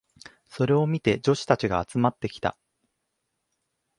それを見て女子たちが集まってきた。